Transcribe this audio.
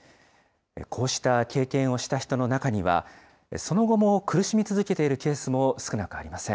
こうした経験をした人の中には、その後も、苦しみ続けているケースも少なくありません。